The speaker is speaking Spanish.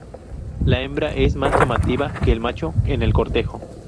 La hembra es más llamativa que el macho en el cortejo.